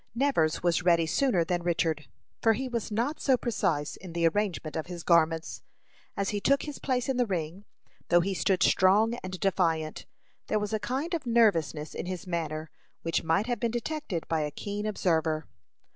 Nevers was ready sooner than Richard, for he was not so precise in the arrangement of his garments. As he took his place in the ring, though he stood strong and defiant, there was a kind of nervousness in his manner, which might have been detected by a keen observer.